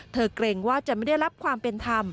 เกรงว่าจะไม่ได้รับความเป็นธรรม